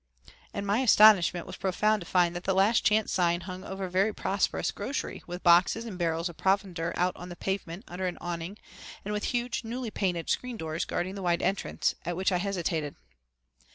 And my astonishment was profound to find that the Last Chance sign hung over a very prosperous grocery with boxes and barrels of provender out on the pavement under an awning and with huge, newly painted screen doors guarding the wide entrance, at which I hesitated.